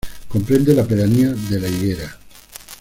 Comprende la pedanía de La Higuera.